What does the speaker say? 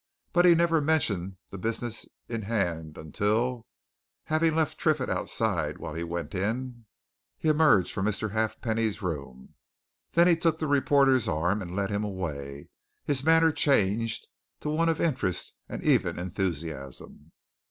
But he never mentioned the business in hand until having left Triffitt outside while he went in he emerged from Mr. Halfpenny's room. Then he took the reporter's arm and led him away, and his manner changed to one of interest and even enthusiasm.